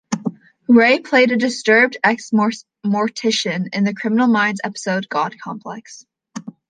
Ray played a disturbed ex mortician in the "Criminal Minds" episode "God Complex.